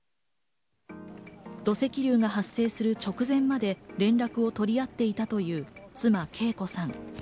土石流が発生する直前まで連絡を取り合っていたという妻・けい子さん。